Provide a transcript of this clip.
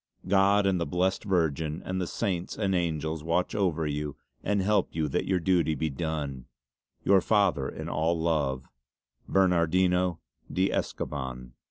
God and the Blessed Virgin and the Saintes and Angels watch over you and help you that your duty be done. "Your father in all love, "BERNARDINO DE ESCOBAN."